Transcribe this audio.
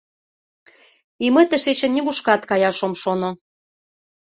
И мый тышечын нигушкат каяш ом шоно.